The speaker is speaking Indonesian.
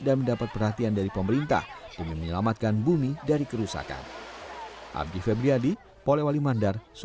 mendapat perhatian dari pemerintah demi menyelamatkan bumi dari kerusakan